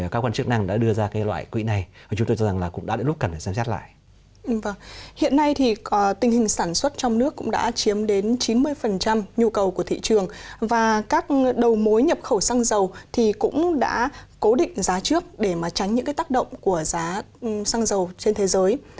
các đầu mối nhập khẩu xăng dầu cũng đã cố định giá trước để tránh những tác động của giá xăng dầu trên thế giới